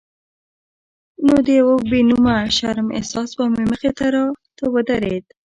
نو د یو بې نومه شرم احساس به مخې ته راته ودرېد.